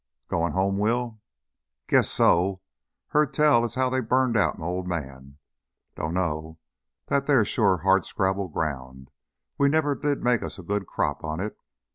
"Goin' home, Will?" "Guess so. Heard tell as how they burned out m' old man. Dunno, that theah's sure hard scrabble ground; we never did make us a good crop on it.